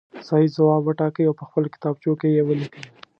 صحیح ځواب وټاکئ او په خپلو کتابچو کې یې ولیکئ.